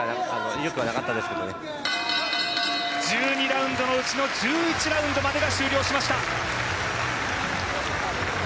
１２ラウンドのうちの１１ラウンドまでが終了しました。